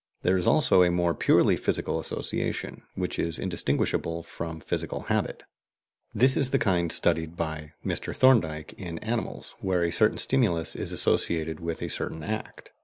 There is also a more purely physical association, which is indistinguishable from physical habit. This is the kind studied by Mr. Thorndike in animals, where a certain stimulus is associated with a certain act.